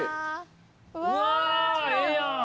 うわええやん。